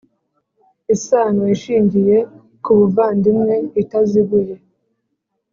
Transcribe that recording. Isano ishingiye ku buvandimwe itaziguye